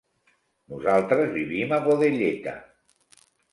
Nosaltres vivim a Godelleta.